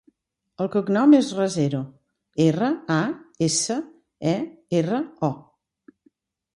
El cognom és Rasero: erra, a, essa, e, erra, o.